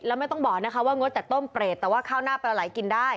แล้วไม่ต้องบอกนะคะว่างดแต่ต้มเปรตแต่ว่าข้าวหน้าปลาไหลกินได้